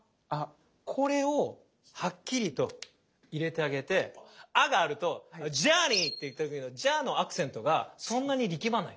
これをはっきりと入れてあげて「Ａ」があると「Ａｊｏｕｒｎｅｙ」って言った時の「ｊｏｕｒ」のアクセントがそんなに力まない。